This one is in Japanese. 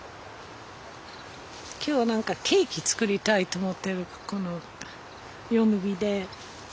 今日はケーキ作りたいと思ってるこのヨモギで。